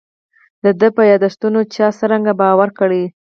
د ده په یاداشتونو چا څرنګه باور کړی.